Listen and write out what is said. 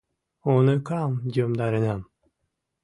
— Уныкам йомдаренам...